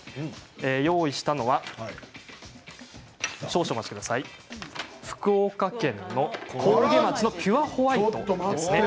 用意したのが福岡県上毛町のピュアホワイトです。